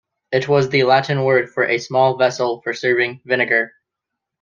It was the Latin word for a small vessel for serving vinegar.